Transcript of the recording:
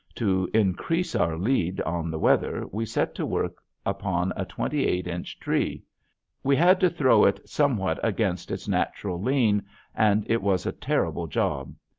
To increase our lead on the weather we set to work upon a twenty eight inch tree. We had to throw it somewhat against its natural lean and it was a terrible job.